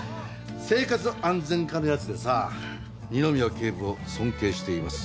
生活安全課の奴でさ「二宮警部を尊敬しています」